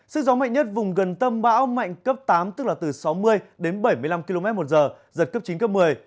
sức gió mạnh nhất vùng gần tâm bão mạnh cấp tám tức là từ sáu mươi đến bảy mươi năm km một giờ giật cấp chín cấp một mươi